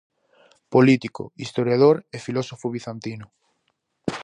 Político, historiador e filósofo bizantino.